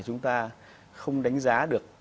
chúng ta không đánh giá được